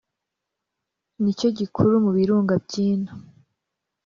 ni cyo gikuru mu birunga by’ino